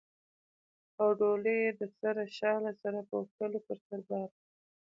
او ډولۍ یې د سره شال سره پوښلې پر سر بار وه.